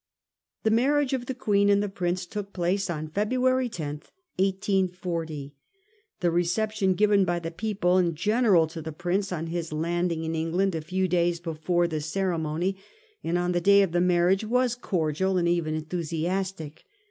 The marriage of the Queen and the Prince took place on February 10, 1840. The reception given by the people in general to the Prince on his landing in England a few days before the ceremony, and on the 1840. PRINCE ALBERT'S PROTESTANTISM. 147 day of the marriage, was cordial and even enthusiastic.